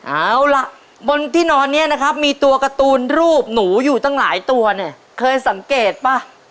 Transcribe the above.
เอาล่ะบนที่นอนเนี่ยนะครับมีตัวการ์ตูนรูปหนูอยู่ตั้งหลายตัวเนี่ยเคยสังเกตป่ะ